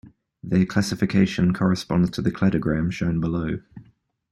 Their classification corresponds to the cladogram shown below.